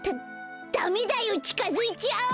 ダダメだよちかづいちゃあっ！